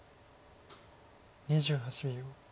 ２８秒。